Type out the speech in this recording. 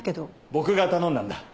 僕が頼んだんだ。